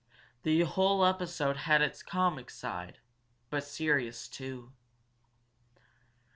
The whole episode had it's comic side, but it was serious, too.